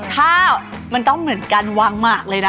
ถ้ามันต้องเหมือนกันวางหมากเลยนะ